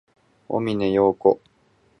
小峰洋子